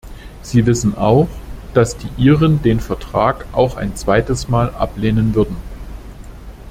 Sie wissen auch, dass die Iren den Vertrag auch ein zweites Mal ablehnen würden.